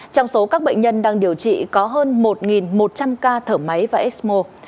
trong số các bệnh nhân đang điều trị có hơn một một trăm linh ca thở máy và ecmo